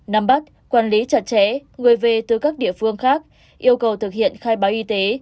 năm bắt quản lý chặt chẽ người về từ các địa phương khác yêu cầu thực hiện khai báo y tế